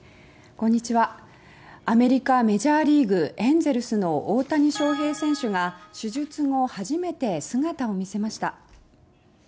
こんにちはアメリカ・メジャーリーグエンゼルスの大谷翔平選手が手術後、初めて姿を見せました。